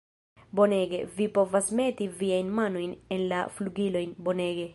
Bonege, vi povas meti viajn manojn en la flugilojn. Bonege!